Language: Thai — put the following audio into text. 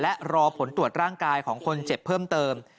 และรอผลตรวจร่างกายของคนเจ็บเพิ่มเติม